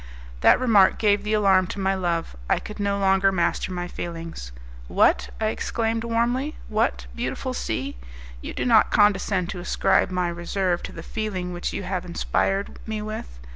That remark gave the alarm to my love; I could no longer master my feelings. "What!" I exclaimed warmly, "what! beautiful C , you do not condescend to ascribe my reserve to the feeling which you have inspired me with?